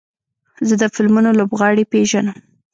زه د فلمونو لوبغاړي پیژنم.